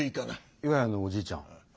岩谷のおじいちゃん。